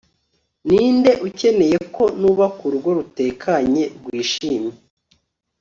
Ninde ukeneye ko nubaka urugo rutekanye rwishimye